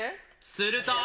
すると。